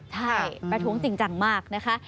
ใช่ประท้วงจริงจังมากนะคะ